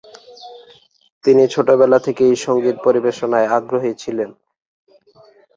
তিনি ছোটবেলা থেকেই সঙ্গীত পরিবেশনায় আগ্রহী ছিলেন।